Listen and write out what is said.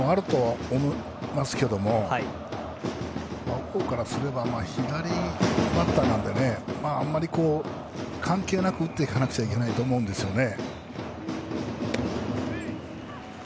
当然、スチールもあるとは思いますけど小郷からすれば左バッターなんであまり関係なく打っていかなくちゃいけないと思うんですけどね。